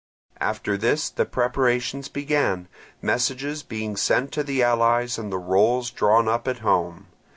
After this the preparations began; messages being sent to the allies and the rolls drawn up at home.